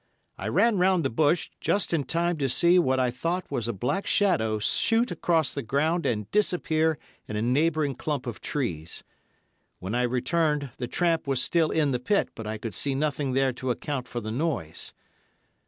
I ran round the bush, just in time to see what I thought was a black shadow shoot across the ground and disappear in a neighbouring cluster of trees. When I returned, the tramp was still in the pit, but I could see nothing there to account for the noise.